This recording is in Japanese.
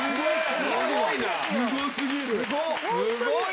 すごい。